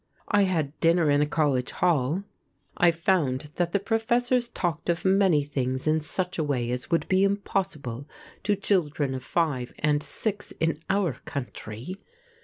I had dinner in a college hall. I found that the professors talked of many things in such a way as would be impossible to children of five and six in our country.